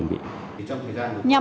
nhằm quyết định